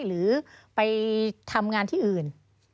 หรือไปทำงานที่อื่น